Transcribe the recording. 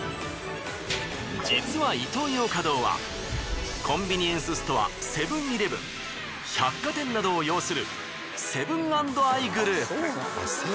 実はイトーヨーカドーはコンビニエンスストアセブン−イレブン百貨店などを擁するセブン＆アイグループ。